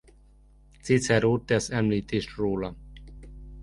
Cicero tesz említést róla.